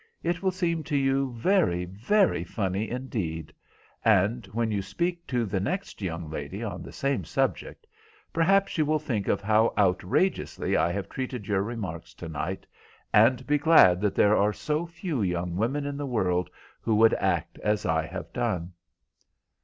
It will seem to you very, very funny indeed; and when you speak to the next young lady on the same subject, perhaps you will think of how outrageously I have treated your remarks to night, and be glad that there are so few young women in the world who would act as I have done."